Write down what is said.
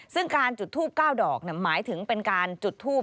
ซึ่งการจุดทูบ๙ดอกหมายถึงเป็นการจุดทูบ